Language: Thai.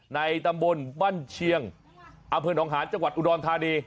ในตำบลบ้านเชียงอำเภอหนองหาญจังหวัดอุดรธานี